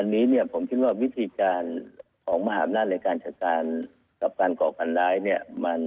อันนี้เนี่ยผมคิดว่าวิธีการของมหาอำนาจในการจัดการกับการก่อการร้ายเนี่ย